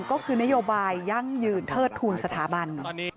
ก็คือนโยบายยั่งยืนเทิดทูลสถาบัน